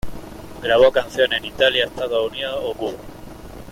Grabó canciones en Italia, Estados Unidos o Cuba.